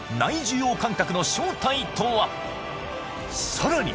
さらに！